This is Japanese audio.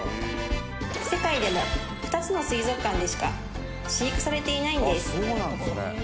世界でも２つの水族館でしか飼育されていないんです